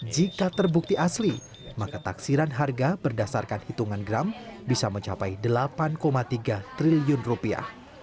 jika terbukti asli maka taksiran harga berdasarkan hitungan gram bisa mencapai delapan tiga triliun rupiah